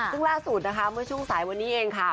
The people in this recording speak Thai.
ซึ่งล่าสุดนะคะเมื่อช่วงสายวันนี้เองค่ะ